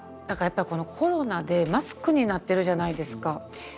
なんかやっぱりコロナでマスクになってるじゃないですか。